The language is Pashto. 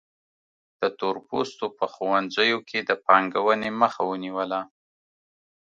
د تور پوستو په ښوونځیو کې د پانګونې مخه ونیوله.